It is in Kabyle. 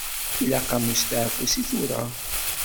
Ilaq-am usteɛfu seg tura.